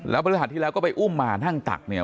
พฤหัสที่แล้วก็ไปอุ้มมานั่งตักเนี่ย